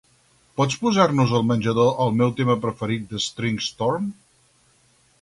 Pots posar-nos al menjador el meu tema preferit de Stringstorm?